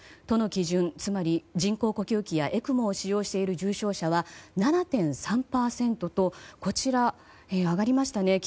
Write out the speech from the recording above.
都の基準、つまり人工呼吸器やＥＣＭＯを使用している重症者は７．３％とこちらは上がりましたね。